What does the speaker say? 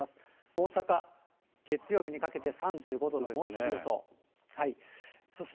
大阪、月曜日にかけて３５度の猛暑日予想。